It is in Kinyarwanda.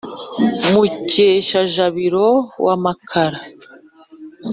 mukesha-jabiro wa makara,